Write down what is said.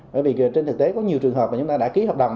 bởi vì trên thực tế có nhiều trường hợp mà chúng ta đã ký hợp đồng